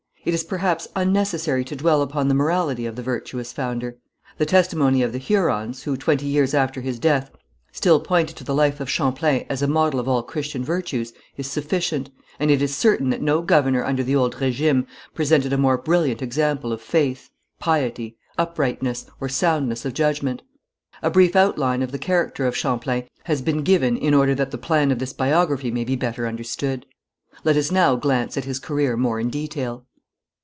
It is, perhaps, unnecessary to dwell upon the morality of the virtuous founder. The testimony of the Hurons, who, twenty years after his death, still pointed to the life of Champlain as a model of all Christian virtues, is sufficient, and it is certain that no governor under the old régime presented a more brilliant example of faith, piety, uprightness, or soundness of judgment. A brief outline of the character of Champlain has been given in order that the plan of this biography may be better understood. Let us now glance at his career more in detail.